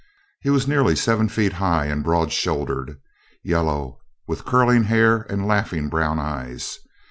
He was nearly seven feet high and broad shouldered, yellow, with curling hair and laughing brown eyes.